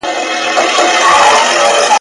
په غرور او په خندا دام ته نیژدې سو ..